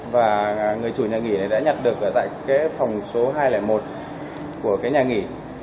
và người chủ nhà nghỉ đã nhặt được ở tại cái phòng số hai trăm linh một của cái nhà nghỉ